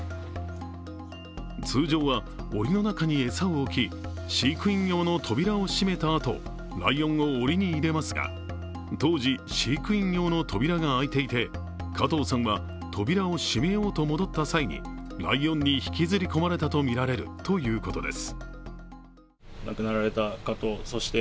通常は、おりの中に餌を置き飼育員用の扉を閉めたあとライオンをおりに入れますが当時、飼育員用の扉が開いていて加藤さんは扉を閉めようと戻った際にライオンに引きずり込まれたとみられるということです。